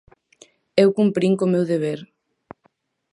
Eu cumprín co meu deber...